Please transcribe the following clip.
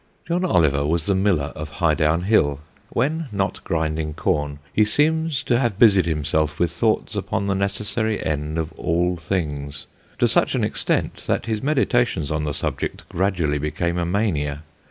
John Oliver was the miller of Highdown Hill. When not grinding corn he seems to have busied himself with thoughts upon the necessary end of all things, to such an extent that his meditations on the subject gradually became a mania.